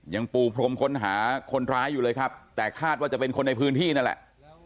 ยังปูพรมค้นหาคนร้ายอยู่เลยครับแต่คาดว่าจะเป็นคนในพื้นที่นั่นแหละ